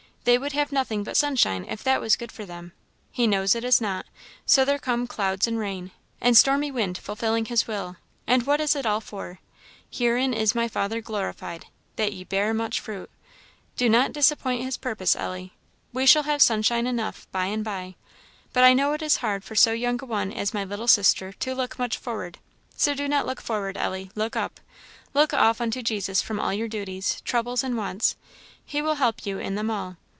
They would have nothing but sunshine if that was good for them. He knows it is not; so there come clouds and rains, and 'stormy wind fulfilling his will.' And what is it all for? 'Herein is my Father glorified, that ye bear much fruit;' do not disappoint his purpose, Ellie. We shall have sunshine enough by and by but I know it is hard for so young a one as my little sister to look much forward; so do not look forward, Ellie; look up! look off unto Jesus from all your duties, troubles, and wants; he will help you in them all.